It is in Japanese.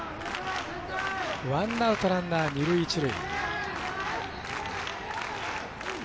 ワンアウトランナー、二塁、一塁。